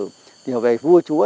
tìm hiểu về vua chúa